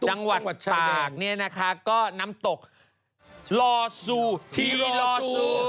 จังหวัดตากเนี่ยนะคะก็น้ำตกลอซูทีวีลอซู